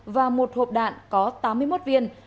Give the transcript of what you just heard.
và một hộp đạn có tám mươi một viên